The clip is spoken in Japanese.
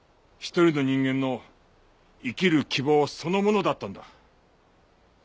一人の人間の生きる希望そのものだったんだ。